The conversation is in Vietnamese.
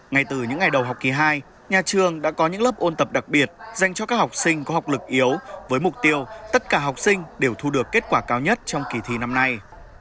ngay từ những ngày đầu học kỳ hai nhà trường đã có những lớp ôn tập đặc biệt dành cho các học sinh có học lực yếu với mục tiêu tất cả học sinh đều thu được kết quả cao nhất trong kỳ thi năm nay